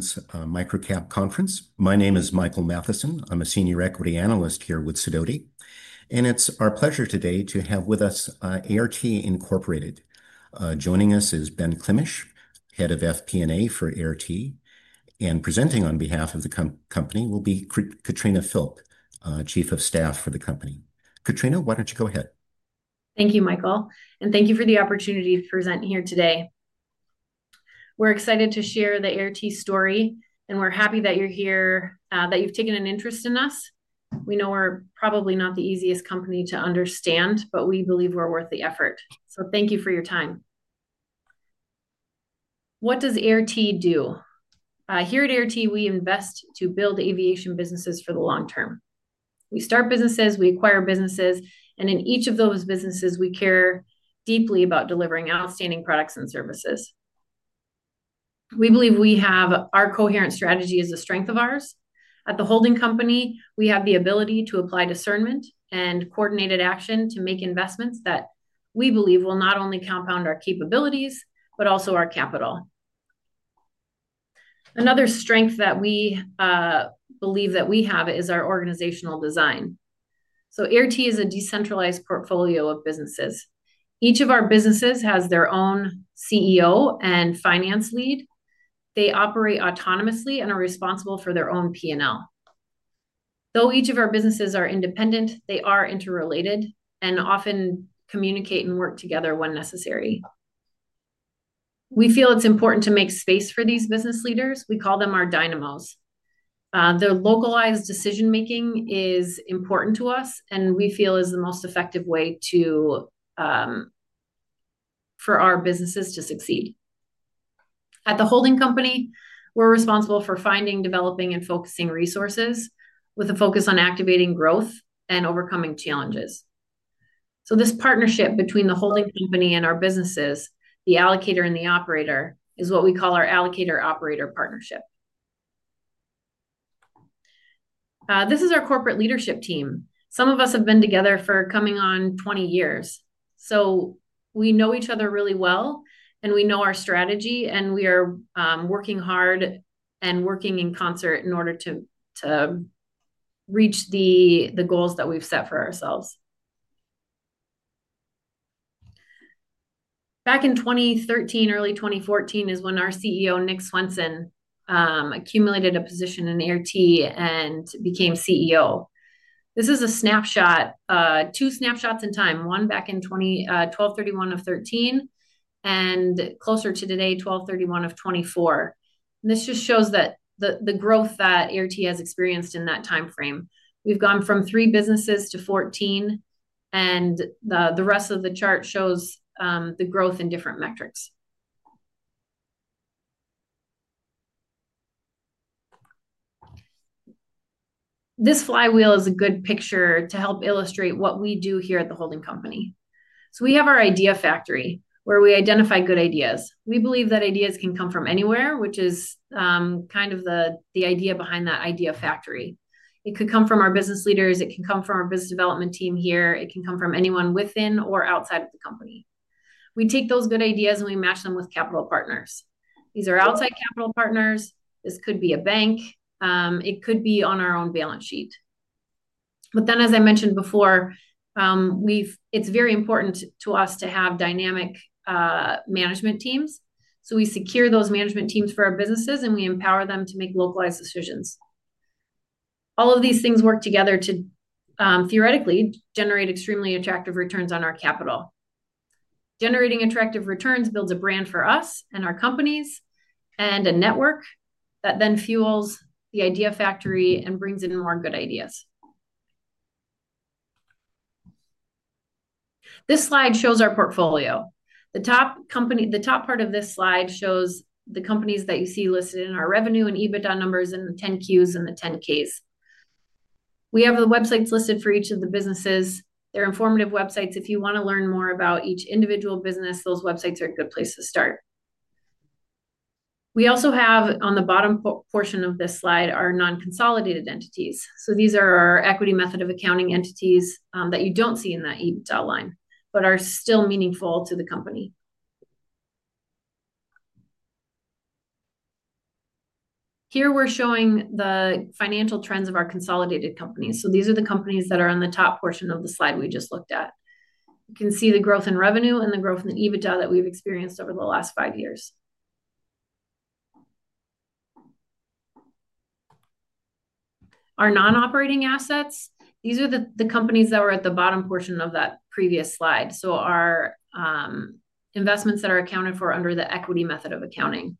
MicroCap Conference. My name is Michael Mathison. I'm a senior equity analyst here with Sidoti. And it's our pleasure today to have with us Air T, Inc. Joining us is Ben Klimisch, head of FP&A for Air T, and presenting on behalf of the company will be Katrina Philp, Chief of Staff for the company. Katrina, why don't you go ahead? Thank you, Michael, and thank you for the opportunity to present here today. We're excited to share the Air T story, and we're happy that you're here, that you've taken an interest in us. We know we're probably not the easiest company to understand, but we believe we're worth the effort. Thank you for your time. What does Air T do? Here at Air T, we invest to build aviation businesses for the long term. We start businesses, we acquire businesses, and in each of those businesses, we care deeply about delivering outstanding products and services. We believe we have our coherent strategy as a strength of ours. At the holding company, we have the ability to apply discernment and coordinated action to make investments that we believe will not only compound our capabilities, but also our capital. Another strength that we believe that we have is our organizational design. Air T is a decentralized portfolio of businesses. Each of our businesses has their own CEO and finance lead. They operate autonomously and are responsible for their own P&L. Though each of our businesses are independent, they are interrelated and often communicate and work together when necessary. We feel it's important to make space for these business leaders. We call them our dynamos. Their localized decision-making is important to us, and we feel is the most effective way for our businesses to succeed. At the holding company, we're responsible for finding, developing, and focusing resources with a focus on activating growth and overcoming challenges. This partnership between the holding company and our businesses, the allocator and the operator, is what we call our allocator-operator partnership. This is our corporate leadership team. Some of us have been together for coming on 20 years. So we know each other really well, and we know our strategy, and we are working hard and working in concert in order to reach the goals that we've set for ourselves. Back in 2013, early 2014, is when our CEO, Nick Swenson, accumulated a position in Air T and became CEO. This is a snapshot, two snapshots in time, one back in 12/31 of 2013 and closer to today, 12/31 of 2024. This just shows that the growth that Air T has experienced in that timeframe. We've gone from three businesses to 14, and the rest of the chart shows the growth in different metrics. This flywheel is a good picture to help illustrate what we do here at the holding company. So we have our idea factory where we identify good ideas. We believe that ideas can come from anywhere, which is kind of the idea behind that idea factory. It could come from our business leaders. It can come from our business development team here. It can come from anyone within or outside of the company. We take those good ideas and we match them with capital partners. These are outside capital partners. This could be a bank. It could be on our own balance sheet. As I mentioned before, it's very important to us to have dynamic management teams. We secure those management teams for our businesses, and we empower them to make localized decisions. All of these things work together to theoretically generate extremely attractive returns on our capital. Generating attractive returns builds a brand for us and our companies and a network that then fuels the idea factory and brings in more good ideas. This slide shows our portfolio. The top part of this slide shows the companies that you see listed in our revenue and EBITDA numbers and the 10-Qs and the 10-Ks. We have the websites listed for each of the businesses. They're informative websites. If you want to learn more about each individual business, those websites are a good place to start. We also have on the bottom portion of this slide our non-consolidated entities. These are our equity method of accounting entities that you don't see in that EBITDA line, but are still meaningful to the company. Here we're showing the financial trends of our consolidated companies. These are the companies that are on the top portion of the slide we just looked at. You can see the growth in revenue and the growth in EBITDA that we've experienced over the last five years. Our non-operating assets, these are the companies that were at the bottom portion of that previous slide. Our investments that are accounted for under the equity method of accounting.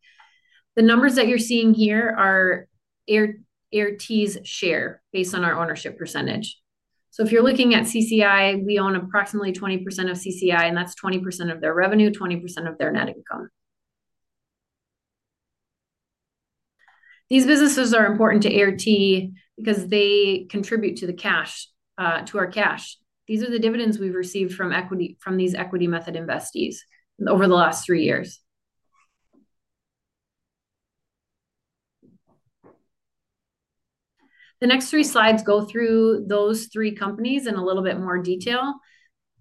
The numbers that you're seeing here are Air T's share based on our ownership percentage. If you're looking at CCI, we own approximately 20% of CCI, and that's 20% of their revenue, 20% of their net income. These businesses are important to Air T because they contribute to our cash. These are the dividends we've received from these equity method investees over the last three years. The next three slides go through those three companies in a little bit more detail.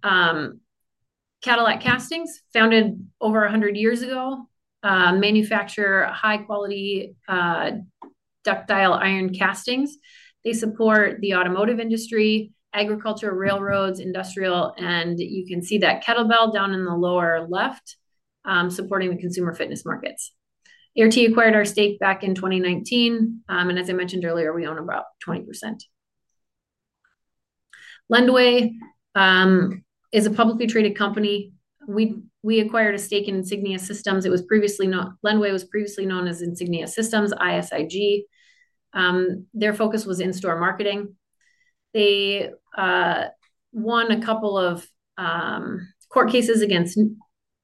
Cadillac Castings, founded over 100 years ago, manufactures high-quality ductile iron castings. They support the automotive industry, agriculture, railroads, industrial, and you can see that kettlebell down in the lower left supporting the consumer fitness markets. Air T acquired our stake back in 2019, and as I mentioned earlier, we own about 20%. Lendway is a publicly traded company. We acquired a stake in Insignia Systems. It was previously known, Lendway was previously known as Insignia Systems, ISIG. Their focus was in-store marketing. They won a couple of court cases against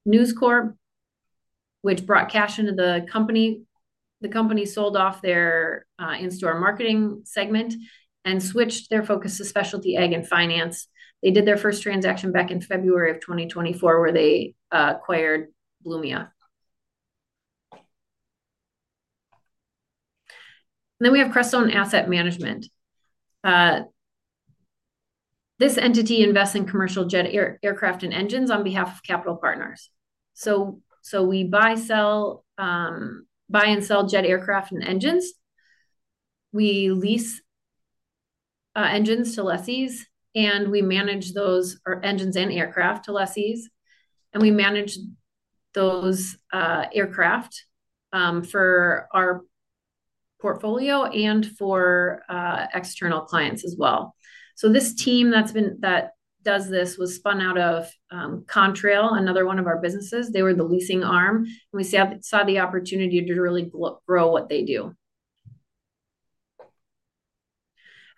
News Corp, which brought cash into the company. The company sold off their in-store marketing segment and switched their focus to specialty ag and finance. They did their first transaction back in February of 2024 where they acquired bloomia. Then we have Crestone Asset Management. This entity invests in commercial jet aircraft and engines on behalf of capital partners. We buy and sell jet aircraft and engines. We lease engines to lessees, and we manage those engines and aircraft to lessees. We manage those aircraft for our portfolio and for external clients as well. This team that does this was spun out of Contrail, another one of our businesses. They were the leasing arm, and we saw the opportunity to really grow what they do.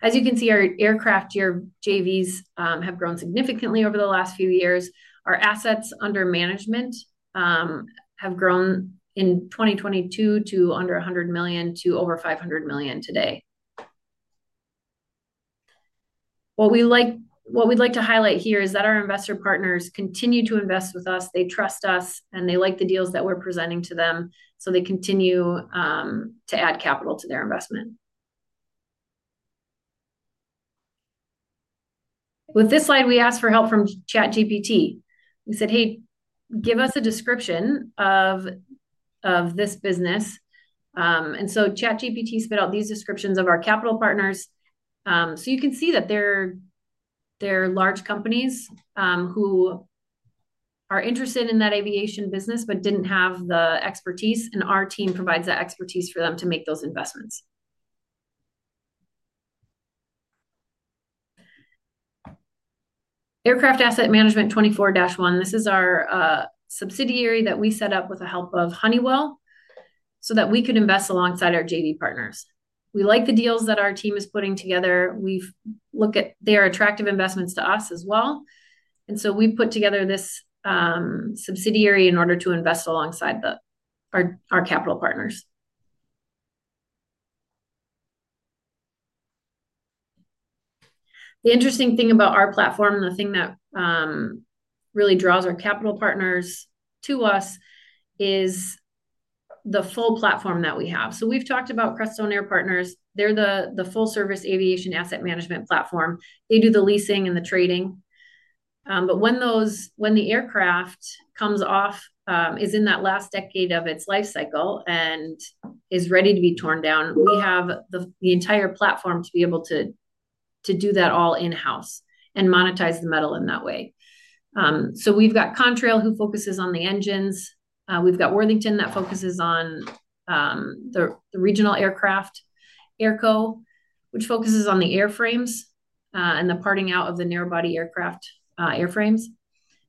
As you can see, our aircraft here, JVs, have grown significantly over the last few years. Our assets under management have grown in 2022 from under $100 million to over $500 million today. What we'd like to highlight here is that our investor partners continue to invest with us. They trust us, and they like the deals that we're presenting to them, so they continue to add capital to their investment. With this slide, we asked for help from ChatGPT. We said, "Hey, give us a description of this business." ChatGPT spit out these descriptions of our capital partners. You can see that they're large companies who are interested in that aviation business but did not have the expertise, and our team provides that expertise for them to make those investments. Aircraft Asset Management 24-1. This is our subsidiary that we set up with the help of Honeywell so that we could invest alongside our JV partners. We like the deals that our team is putting together. They are attractive investments to us as well. We have put together this subsidiary in order to invest alongside our capital partners. The interesting thing about our platform, the thing that really draws our capital partners to us, is the full platform that we have. We have talked about Crestone Air Partners. They are the full-service aviation asset management platform. They do the leasing and the trading. When the aircraft comes off, is in that last decade of its life cycle, and is ready to be torn down, we have the entire platform to be able to do that all in-house and monetize the metal in that way. We have Contrail, who focuses on the engines. We have Worthington that focuses on the regional aircraft, AirCo, which focuses on the airframes and the parting out of the narrow-body aircraft airframes.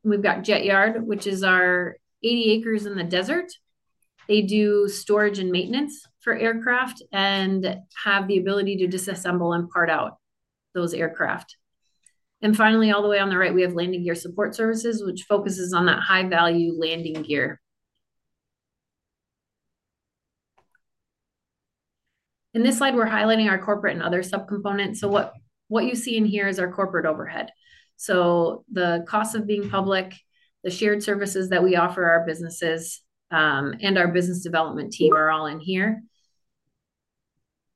We have Jet Yard, which is our 80 acres in the desert. They do storage and maintenance for aircraft and have the ability to disassemble and part out those aircraft. Finally, all the way on the right, we have Landing Gear Support Services, which focuses on that high-value landing gear. In this slide, we are highlighting our corporate and other subcomponents. What you see in here is our corporate overhead. The cost of being public, the shared services that we offer our businesses, and our business development team are all in here.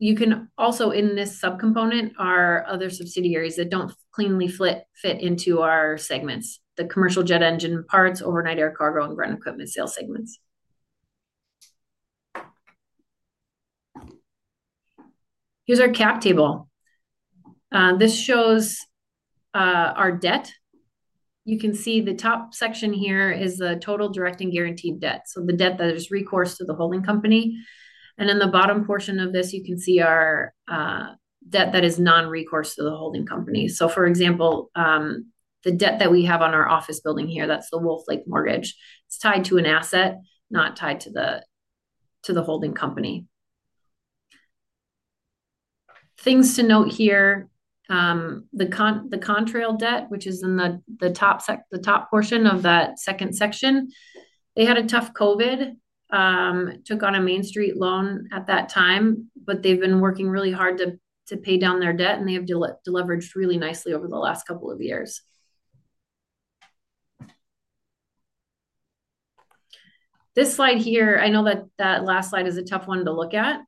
You can also, in this subcomponent, see our other subsidiaries that do not cleanly fit into our segments, the commercial jet engine parts, overnight air cargo, and ground equipment sales segments. Here is our cap table. This shows our debt. You can see the top section here is the total direct and guaranteed debt. The debt that is recourse to the holding company. In the bottom portion of this, you can see our debt that is non-recourse to the holding company. For example, the debt that we have on our office building here, that is the Wolfe Lake Mortgage. It is tied to an asset, not tied to the holding company. Things to note here, the Contrail debt, which is in the top portion of that second section, they had a tough COVID. Took on a Main Street loan at that time, but they've been working really hard to pay down their debt, and they have delivered really nicely over the last couple of years. This slide here, I know that that last slide is a tough one to look at,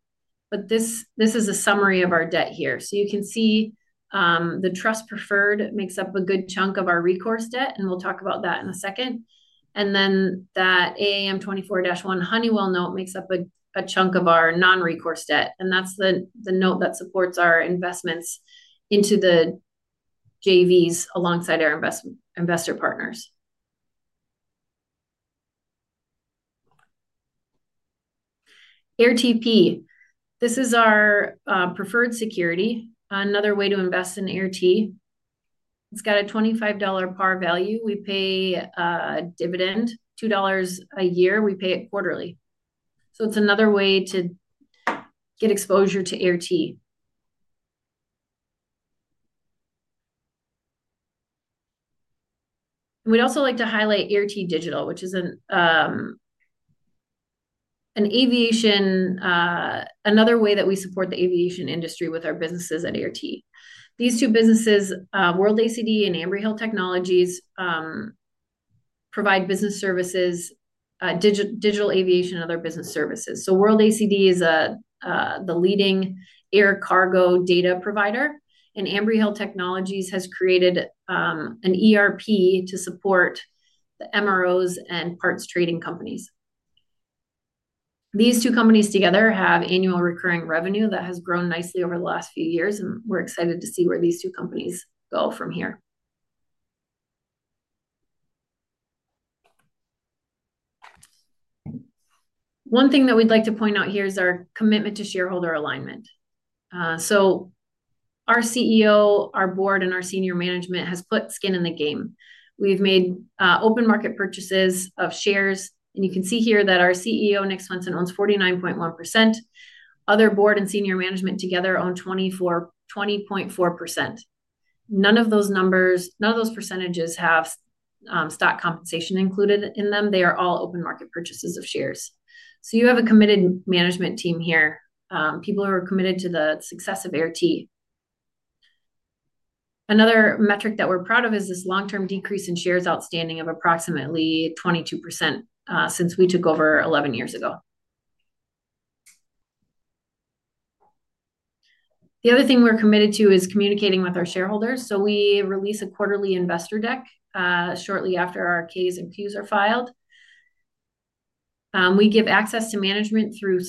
but this is a summary of our debt here. You can see the trust preferred makes up a good chunk of our recourse debt, and we will talk about that in a second. That AAM 24-1 Honeywell note makes up a chunk of our non-recourse debt. That is the note that supports our investments into the JVs alongside our investor partners. AIRTP. This is our preferred security, another way to invest in Air T. It's got a $25 par value. We pay a dividend, $2 a year. We pay it quarterly. It is another way to get exposure to Air T. We would also like to highlight Air T Digital, which is another way that we support the aviation industry with our businesses at Air T. These two businesses, World ACD and Ambry Hill Technologies, provide business services, digital aviation, and other business services. World ACD is the leading air cargo data provider, and Ambry Hill Technologies has created an ERP to support the MROs and parts trading companies. These two companies together have annual recurring revenue that has grown nicely over the last few years, and we are excited to see where these two companies go from here. One thing that we would like to point out here is our commitment to shareholder alignment. Our CEO, our board, and our senior management have put skin in the game. We've made open market purchases of shares, and you can see here that our CEO, Nick Swenson, owns 49.1%. Other board and senior management together own 20.4%. None of those numbers, none of those percentages have stock compensation included in them. They are all open market purchases of shares. You have a committed management team here, people who are committed to the success of Air T. Another metric that we're proud of is this long-term decrease in shares outstanding of approximately 22% since we took over 11 years ago. The other thing we're committed to is communicating with our shareholders. We release a quarterly investor deck shortly after our Ks and Qs are filed. We give access to management through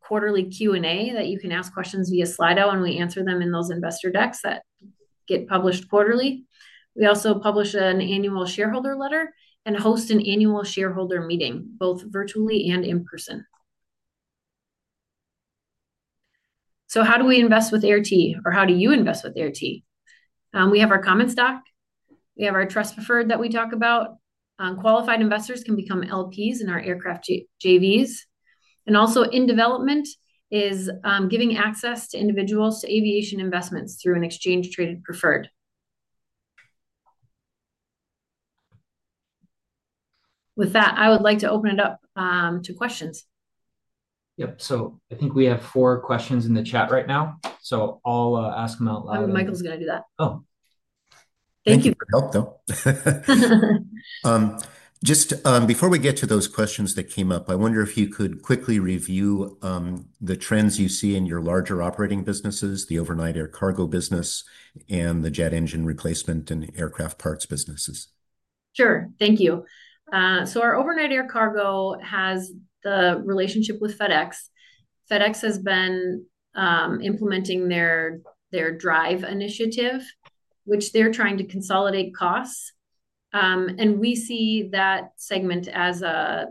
quarterly Q&A that you can ask questions via Slido and we answer them in those investor decks that get published quarterly. We also publish an annual shareholder letter and host an annual shareholder meeting, both virtually and in-person. How do we invest with Air T, or how do you invest with Air T? We have our common stock. We have our trust preferred that we talk about. Qualified investors can become LPs in our aircraft JVs. Also in development is giving access to individuals to aviation investments through an exchange-traded preferred. With that, I would like to open it up to questions. Yep. I think we have four questions in the chat right now. I'll ask them out loud. Michael's going to do that. Oh. Thank you. That would help, though. Just before we get to those questions that came up, I wonder if you could quickly review the trends you see in your larger operating businesses, the overnight air cargo business, and the jet engine replacement and aircraft parts businesses. Sure. Thank you. Our overnight air cargo has the relationship with FedEx. FedEx has been implementing their drive initiative, which they are trying to consolidate costs. We see that segment as a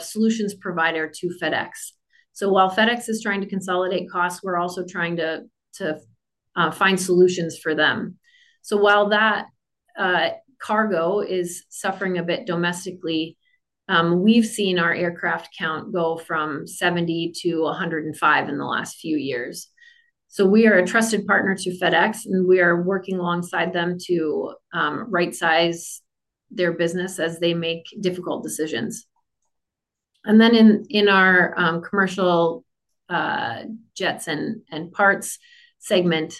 solutions provider to FedEx. While FedEx is trying to consolidate costs, we are also trying to find solutions for them. While that cargo is suffering a bit domestically, we have seen our aircraft count go from 70 to 105 in the last few years. We are a trusted partner to FedEx, and we are working alongside them to right-size their business as they make difficult decisions. In our commercial jets and parts segment,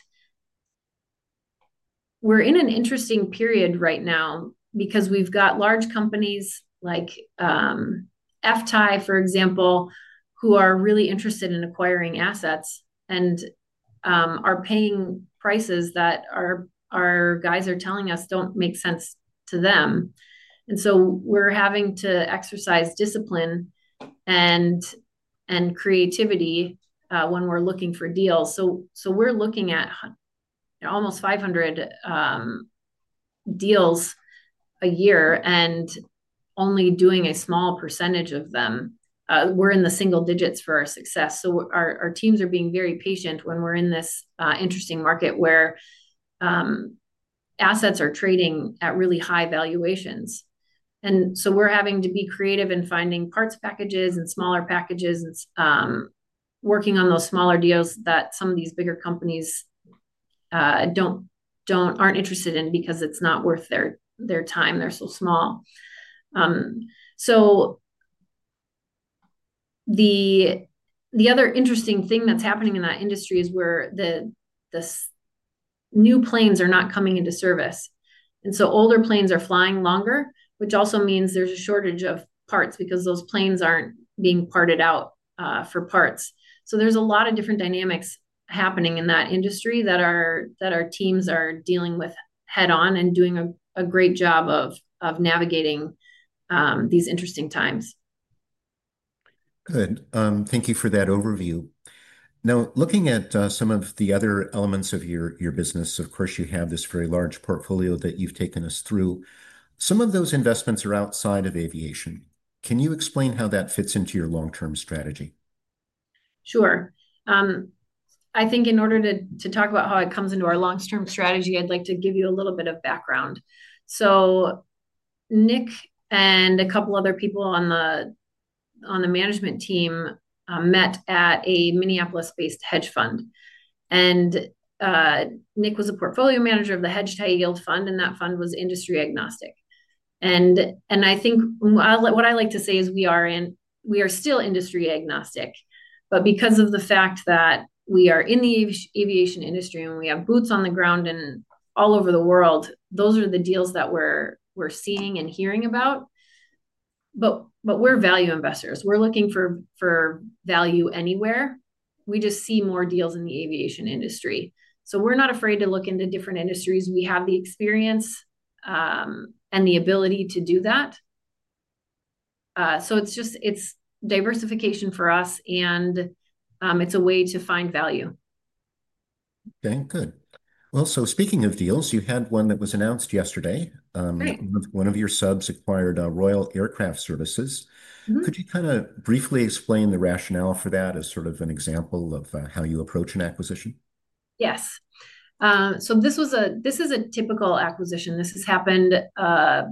we are in an interesting period right now because we have large companies like FTAI, for example, who are really interested in acquiring assets and are paying prices that our guys are telling us do not make sense to them. We're having to exercise discipline and creativity when we're looking for deals. We're looking at almost 500 deals a year and only doing a small percentage of them. We're in the single digits for our success. Our teams are being very patient when we're in this interesting market where assets are trading at really high valuations. We're having to be creative in finding parts packages and smaller packages and working on those smaller deals that some of these bigger companies aren't interested in because it's not worth their time. They're so small. The other interesting thing that's happening in that industry is where the new planes are not coming into service. Older planes are flying longer, which also means there's a shortage of parts because those planes aren't being parted out for parts. There's a lot of different dynamics happening in that industry that our teams are dealing with head-on and doing a great job of navigating these interesting times. Good. Thank you for that overview. Now, looking at some of the other elements of your business, of course, you have this very large portfolio that you've taken us through. Some of those investments are outside of aviation. Can you explain how that fits into your long-term strategy? Sure. I think in order to talk about how it comes into our long-term strategy, I'd like to give you a little bit of background. Nick and a couple of other people on the management team met at a Minneapolis-based hedge fund. Nick was a portfolio manager of the Hedged High Yield Fund, and that fund was industry agnostic. I think what I like to say is we are still industry agnostic, but because of the fact that we are in the aviation industry and we have boots on the ground all over the world, those are the deals that we're seeing and hearing about. We're value investors. We're looking for value anywhere. We just see more deals in the aviation industry. We're not afraid to look into different industries. We have the experience and the ability to do that. It's diversification for us, and it's a way to find value. Okay. Good. Speaking of deals, you had one that was announced yesterday. One of your subs acquired Royal Aircraft Services. Could you kind of briefly explain the rationale for that as sort of an example of how you approach an acquisition? Yes. This is a typical acquisition. This has happened a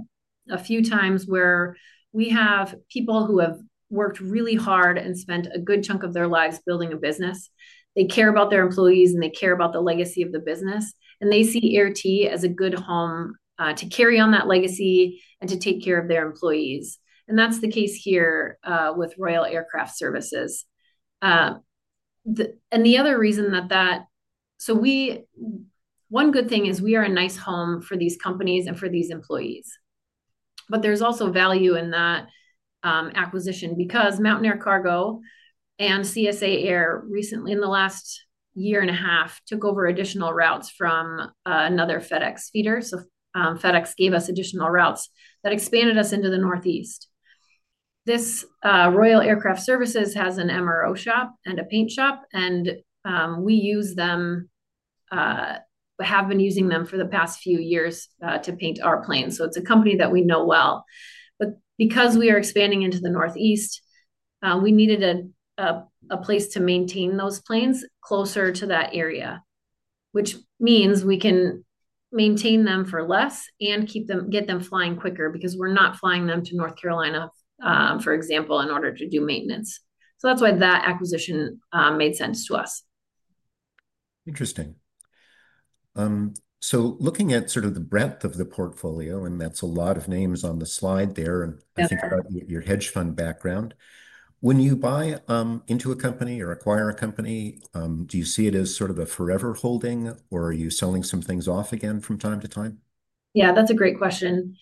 few times where we have people who have worked really hard and spent a good chunk of their lives building a business. They care about their employees, and they care about the legacy of the business. They see Air T as a good home to carry on that legacy and to take care of their employees. That is the case here with Royal Aircraft Services. The other reason that, one good thing is we are a nice home for these companies and for these employees. There is also value in that acquisition because Mountain Air Cargo and CSA Air recently, in the last year and a half, took over additional routes from another FedEx feeder. FedEx gave us additional routes that expanded us into the Northeast. This Royal Aircraft Services has an MRO shop and a paint shop, and we use them, have been using them for the past few years to paint our planes. It is a company that we know well. Because we are expanding into the Northeast, we needed a place to maintain those planes closer to that area, which means we can maintain them for less and get them flying quicker because we are not flying them to North Carolina, for example, in order to do maintenance. That is why that acquisition made sense to us. Interesting. So looking at sort of the breadth of the portfolio, and that's a lot of names on the slide there, and I think about your hedge fund background. When you buy into a company or acquire a company, do you see it as sort of a forever holding, or are you selling some things off again from time to time? Yeah, that's a great question.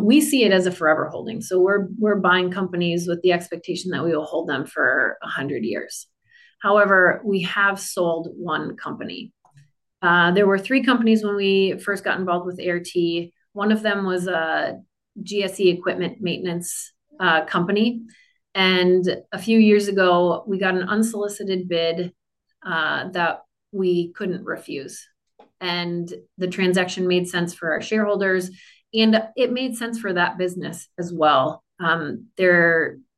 We see it as a forever holding. We are buying companies with the expectation that we will hold them for 100 years. However, we have sold one company. There were three companies when we first got involved with Air T. One of them was a GSE equipment maintenance company. A few years ago, we got an unsolicited bid that we could not refuse. The transaction made sense for our shareholders, and it made sense for that business as well.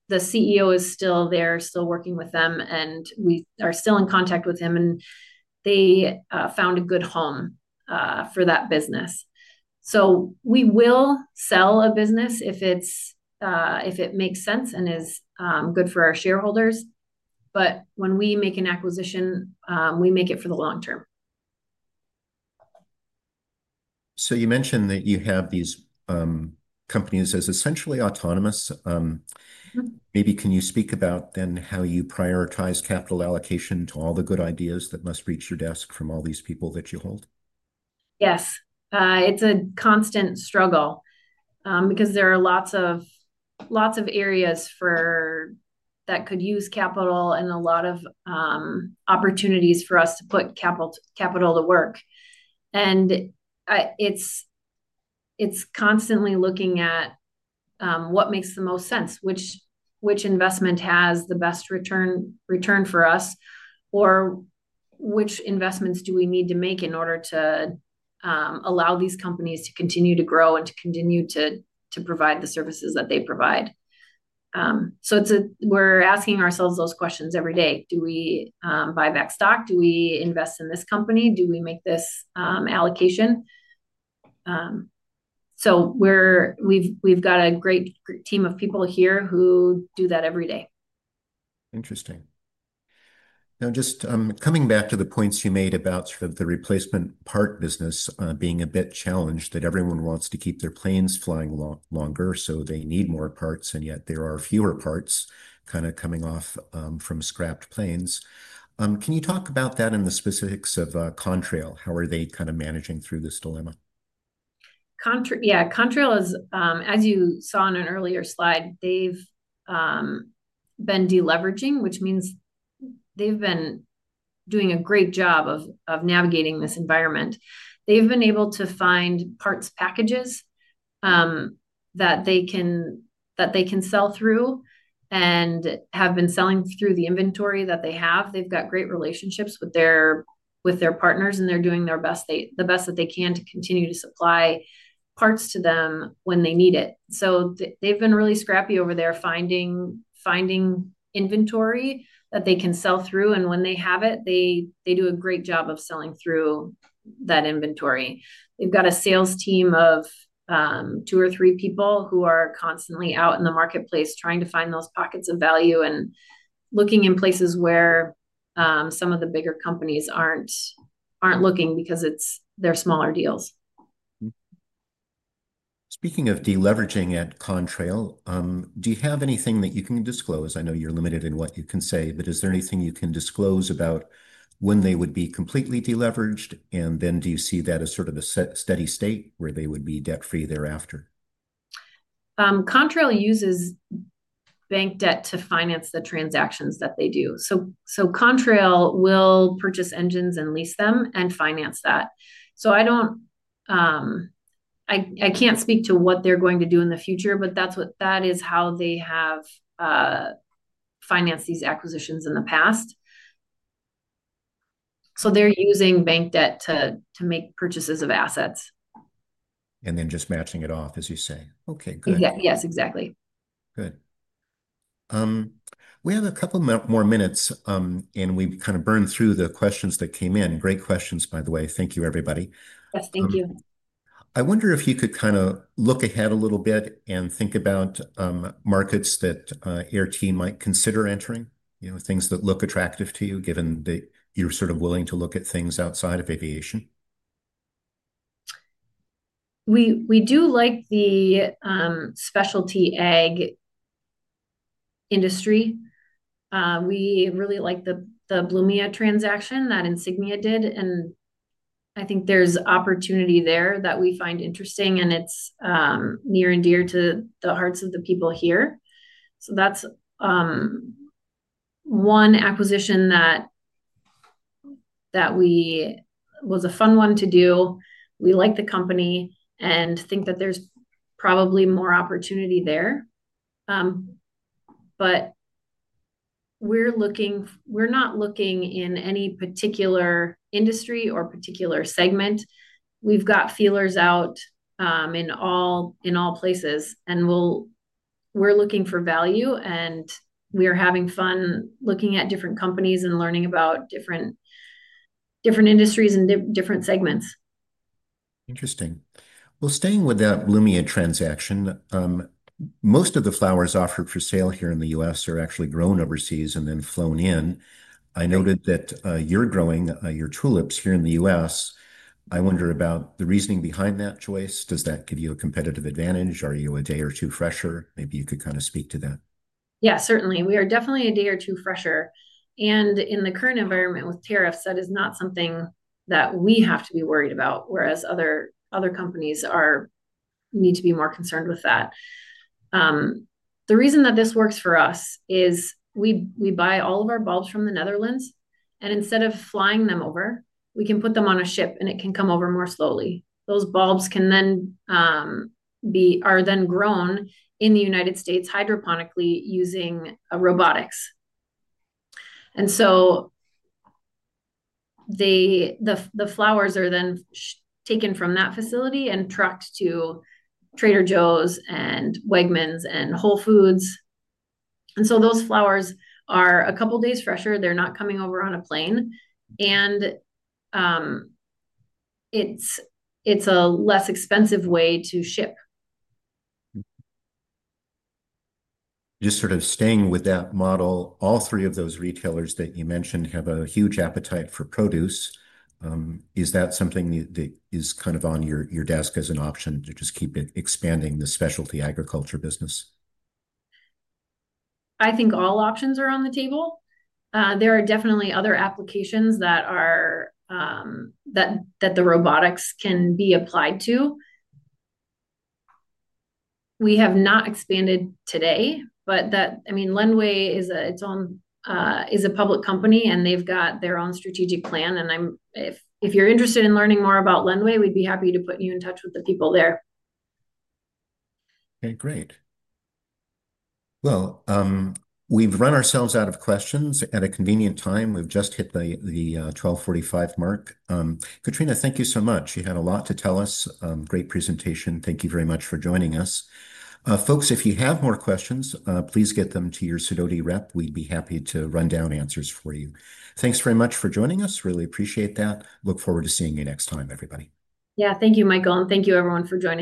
The CEO is still there, still working with them, and we are still in contact with him, and they found a good home for that business. We will sell a business if it makes sense and is good for our shareholders. When we make an acquisition, we make it for the long term. You mentioned that you have these companies as essentially autonomous. Maybe can you speak about then how you prioritize capital allocation to all the good ideas that must reach your desk from all these people that you hold? Yes. It's a constant struggle because there are lots of areas that could use capital and a lot of opportunities for us to put capital to work. It's constantly looking at what makes the most sense, which investment has the best return for us, or which investments do we need to make in order to allow these companies to continue to grow and to continue to provide the services that they provide. We are asking ourselves those questions every day. Do we buy back stock? Do we invest in this company? Do we make this allocation? We have a great team of people here who do that every day. Interesting. Now, just coming back to the points you made about sort of the replacement part business being a bit challenged, that everyone wants to keep their planes flying longer, so they need more parts, and yet there are fewer parts kind of coming off from scrapped planes. Can you talk about that and the specifics of Contrail? How are they kind of managing through this dilemma? Yeah. Contrail is, as you saw on an earlier slide, they've been deleveraging, which means they've been doing a great job of navigating this environment. They've been able to find parts packages that they can sell through and have been selling through the inventory that they have. They've got great relationships with their partners, and they're doing the best that they can to continue to supply parts to them when they need it. They've been really scrappy over there finding inventory that they can sell through. When they have it, they do a great job of selling through that inventory. They've got a sales team of two or three people who are constantly out in the marketplace trying to find those pockets of value and looking in places where some of the bigger companies aren't looking because they're smaller deals. Speaking of deleveraging at Contrail, do you have anything that you can disclose? I know you're limited in what you can say, but is there anything you can disclose about when they would be completely deleveraged? Do you see that as sort of a steady state where they would be debt-free thereafter? Contrail uses bank debt to finance the transactions that they do. Contrail will purchase engines and lease them and finance that. I can't speak to what they're going to do in the future, but that is how they have financed these acquisitions in the past. They're using bank debt to make purchases of assets. Then just matching it off, as you say. Okay. Good. Yes, exactly. Good. We have a couple more minutes, and we've kind of burned through the questions that came in. Great questions, by the way. Thank you, everybody. Yes, thank you. I wonder if you could kind of look ahead a little bit and think about markets that Air T might consider entering, things that look attractive to you given that you're sort of willing to look at things outside of aviation. We do like the specialty ag industry. We really like the bloomia transaction that Insignia did. I think there's opportunity there that we find interesting, and it's near and dear to the hearts of the people here. That's one acquisition that was a fun one to do. We like the company and think that there's probably more opportunity there. We're not looking in any particular industry or particular segment. We've got feelers out in all places, and we're looking for value, and we are having fun looking at different companies and learning about different industries and different segments. Interesting. Staying with that bloomia transaction, most of the flowers offered for sale here in the U.S. are actually grown overseas and then flown in. I noted that you're growing your tulips here in the U.S. I wonder about the reasoning behind that choice. Does that give you a competitive advantage? Are you a day or two fresher? Maybe you could kind of speak to that. Yeah, certainly. We are definitely a day or two fresher. In the current environment with tariffs, that is not something that we have to be worried about, whereas other companies need to be more concerned with that. The reason that this works for us is we buy all of our bulbs from the Netherlands, and instead of flying them over, we can put them on a ship, and it can come over more slowly. Those bulbs are then grown in the United States hydroponically using robotics. The flowers are then taken from that facility and trucked to Trader Joe's and Wegmans and Whole Foods. Those flowers are a couple of days fresher. They're not coming over on a plane. It is a less expensive way to ship. Just sort of staying with that model, all three of those retailers that you mentioned have a huge appetite for produce. Is that something that is kind of on your desk as an option to just keep expanding the specialty agriculture business? I think all options are on the table. There are definitely other applications that the robotics can be applied to. We have not expanded today, but I mean, Lendway is a public company, and they've got their own strategic plan. If you're interested in learning more about Lendway, we'd be happy to put you in touch with the people there. Okay. Great. We have run ourselves out of questions at a convenient time. We have just hit the 12:45 PM mark. Katrina, thank you so much. You had a lot to tell us. Great presentation. Thank you very much for joining us. Folks, if you have more questions, please get them to your Sidoti rep. We would be happy to run down answers for you. Thanks very much for joining us. Really appreciate that. Look forward to seeing you next time, everybody. Yeah. Thank you, Michael, and thank you, everyone, for joining.